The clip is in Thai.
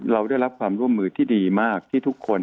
เราได้รับความร่วมมือที่ดีมากที่ทุกคน